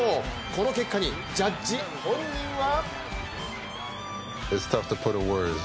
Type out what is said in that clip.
この結果に、ジャッジ本人は？